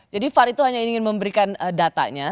jadi far itu hanya ingin memberikan datanya